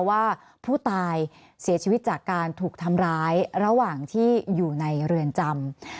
ว่าผู้ตายเสียชีวิตจากการถูกทำร้ายระหว่างที่อยู่ในเรือนจำ